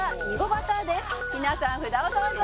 「皆さん札をどうぞ！」